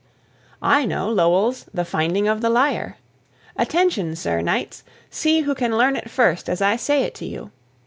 I know Lowell's "The Finding of the Lyre." Attention, Sir Knights! See who can learn it first as I say it to you.